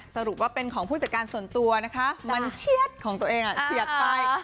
สรุปว่าเป็นของผู้จัดการส่วนตัวนะคะมันเฉียดของตัวเองเฉียดไป